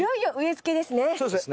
そうですね。